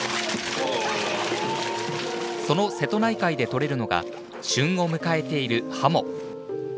その瀬戸内海で取れるのが旬を迎えているハモ。